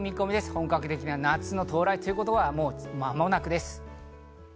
本格的な夏の到来というのは間もなくです。